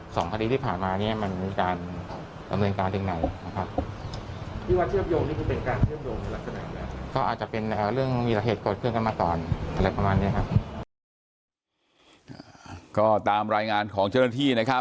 สองคดีที่ผ่านมานี้มันมีการดำเนินการอย่างไรนะครับ